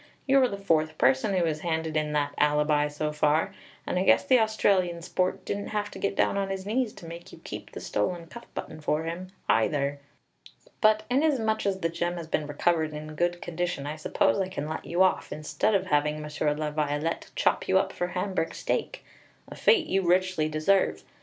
You're the fourth person who has handed in that alibi so far, and I guess the Australian sport didn't have to get down on his knees to make you keep the stolen cuff button for him, either. But inasmuch as the gem has been recovered in good condition, I suppose I can let you off, instead of having Monsieur La Violette chop you up for Hamburg steak, a fate you richly deserve.